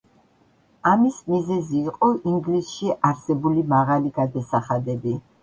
ამის მიზეზი იყო ინგლისში არსებული მაღალი გადასახადები.